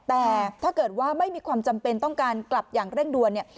แต่ถ้าเกิดว่าไม่มีความจำเป็นต้องการกลับอย่างเร่งด่วนเนี่ย